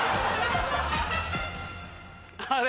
あれ？